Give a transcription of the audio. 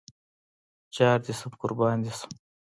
جار دې شم قربان دې شم